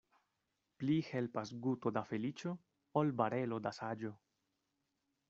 Pli helpas guto da feliĉo, ol barelo da saĝo.